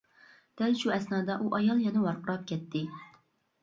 دەل شۇ ئەسنادا ئۇ ئايال يەنە ۋارقىراپ كەتتى.